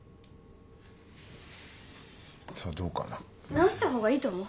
治したほうがいいと思う？